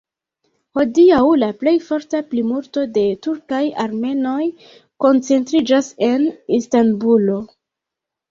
Hodiaŭ la plej forta plimulto de turkaj armenoj koncentriĝas en Istanbulo.